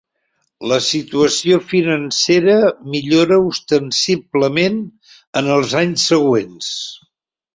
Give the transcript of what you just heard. La situació financera millorà ostensiblement en els anys següents.